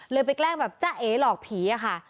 ไปแกล้งแบบจ้าเอ๋หลอกผีอะค่ะ